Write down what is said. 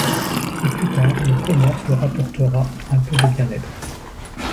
Et plus tard le commerce leur apportera un peu de bien-être.